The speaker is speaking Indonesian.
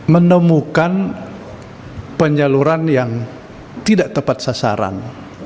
menemukan penyaluran yang tidak tepat sasaran